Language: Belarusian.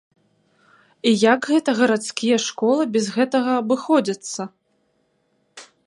І як гэта гарадскія школы без гэтага абыходзяцца?